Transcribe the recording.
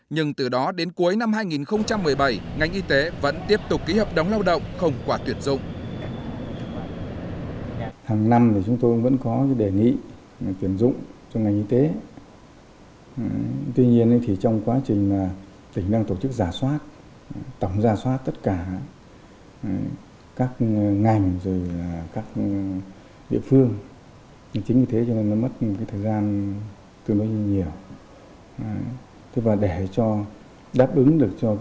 nhưng từ đó đến cuối năm hai nghìn một mươi hai ubnd tỉnh lai châu đã có văn bản yêu cầu tất cả các sở ban ngành ra soát tạm dừng hợp đồng và tiếp nhận người vào công tác